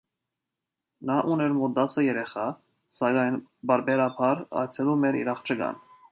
Նա ուներ մոտ տասը երեխա, սակայն պարբերաբար այցելում էր իր աղջկան։